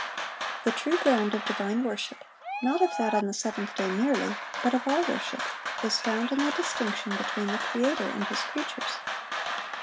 The true ground of divine worship, not of that on the seventh day merely, but of all worship, is found in the distinction between the Creator and His creatures.